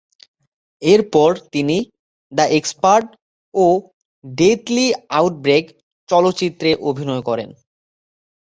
এরপর তিনি "the expert" ও "ডেথলি আউটব্রেক" চলচ্চিত্রে অভিনয় করেন।